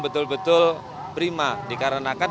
betul betul prima dikarenakan